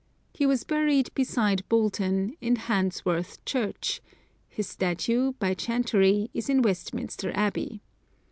He was buried beside Boulton, in Handsworth Church; his statue, by Chantery, is in Westminister Abbey.